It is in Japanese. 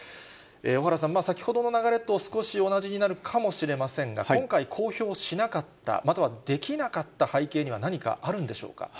小原さん、先ほどの流れと少し同じになるかもしれませんが、今回、公表しなかった、またはできなかった背景には、何かあるんでしょうか。